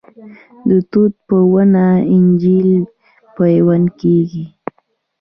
د توت په ونه انجیر پیوند کیږي؟